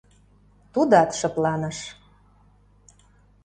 Тудат шыпланыш.